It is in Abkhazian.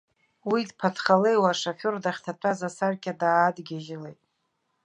Уи дԥаҭхалеиуа ашофер дахьҭатәаз асаркьа даадгьежьылеит.